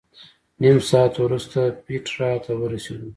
نیم ساعت وروسته پېټرا ته ورسېدو.